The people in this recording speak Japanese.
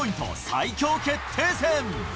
最強決定戦。